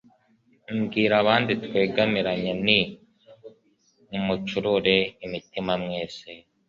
Mbwira abandi twegamiranye, Nti nimucurure imitima mwese,